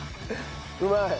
うまい？